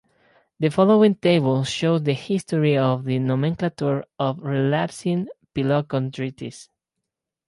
The following table shows the history of the nomenclature of Relapsing polychondritis.